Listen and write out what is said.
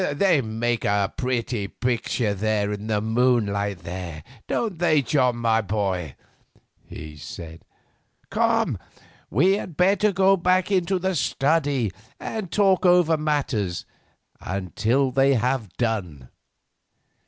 "They make a pretty picture there in the moonlight, don't they, John, my boy?" he said. "Come, we had better go back into the study and talk over matters till they have done.